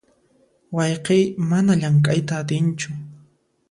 Wayqiy mana llamk'ayta atinchu.